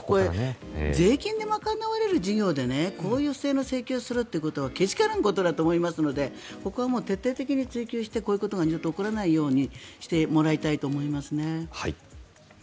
税金で賄われる事業で、こういう不正の請求をするということはけしからんことだと思いますのでここは徹底的に追及してこういうことが二度と起こらないようにしてもらいたいと思いますね。